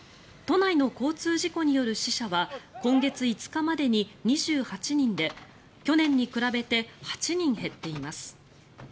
都内の交通事故による死者は今月５日までに２８人で去年に比べて８人減っています。